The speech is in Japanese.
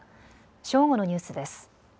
正午のニュースです。